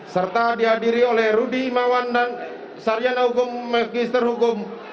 serta dihadiri oleh rudy imawan dan sarjana hukum magister hukum